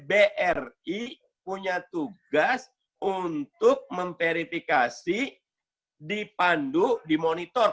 bri punya tugas untuk memverifikasi dipandu dimonitor